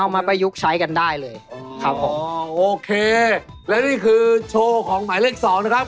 เอาละครับทีนี้มาอีกหนึ่งหมายเลขครับ